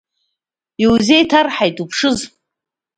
Иузеиҭарҳаит, уԥшыз!